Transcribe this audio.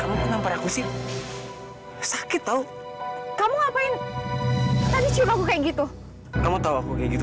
kamu kenapa aku sih sakit tahu kamu ngapain tadi cium aku kayak gitu kamu tahu aku kayak gitu